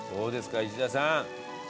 石田さん。